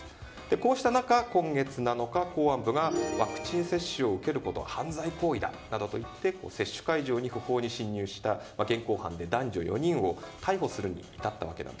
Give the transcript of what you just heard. こうした中、今月７日公安部がワクチン接種を受けることが犯罪行為だといって接種会場に不法に侵入した現行犯で男女４人を逮捕するに至りました。